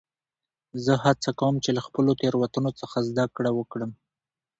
زه هڅه کوم، چي له خپلو تیروتنو څخه زدکړم وکړم.